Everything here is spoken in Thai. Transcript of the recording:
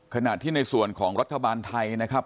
ขณะที่ในส่วนของรัฐบาลไทยนะครับ